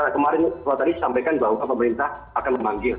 kemarin saya tadi sampaikan bahwa pemerintah akan memanggil